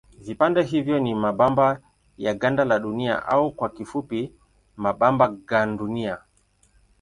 Vipande hivyo ni mabamba ya ganda la Dunia au kwa kifupi mabamba gandunia.